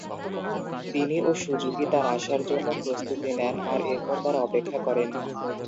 তিনি ও সুজুকি তার আসার জন্য প্রস্তুতি নেন আর এরপর তারা অপেক্ষা করেন।